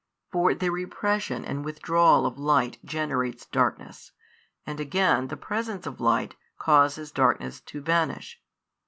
For the repression and withdrawal of light generates darkness, and again the presence of light causes darkness to vanish.